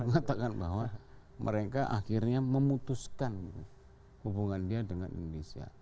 mengatakan bahwa mereka akhirnya memutuskan hubungannya dengan indonesia